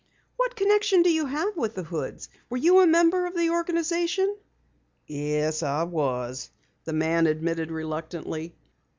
"What connection did you have with the Hoods? Were you a member of the organization?" "Yes, I was," the man admitted reluctantly.